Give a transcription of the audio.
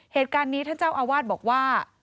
เหตุการณ์นี้ท่านเจ้าอาวาสบอกว่า